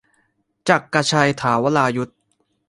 จักรชัย ถาวรายุศม์